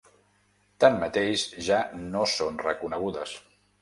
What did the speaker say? Tanmateix, ja no són reconegudes.